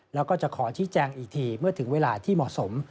แล้วก็จะขอชี้แจงอีกทีเมื่อถึงเวลาที่เหมาะสม